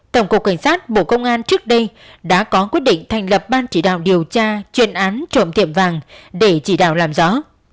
tổng cục cảnh sát bộ công an trước đây đã có quyết định thành lập ban chỉ đạo điều tra chuyên án trộm tiệm vàng để chỉ đạo làm rõ